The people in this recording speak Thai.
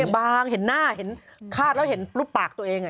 บางเห็นหน้าเห็นคาดแล้วเห็นรูปปากตัวเอง